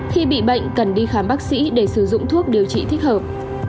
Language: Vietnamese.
khi bị bệnh cần đi khám bác sĩ để sử dụng thuốc điều trị thích hợp